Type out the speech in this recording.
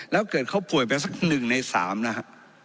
แล้วเกิดเขาป่วยไปสัก๑ใน๓นะฮะ